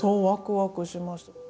わくわくします。